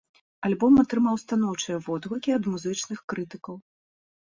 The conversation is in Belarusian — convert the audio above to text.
Альбом атрымаў станоўчыя водгукі ад музычных крытыкаў.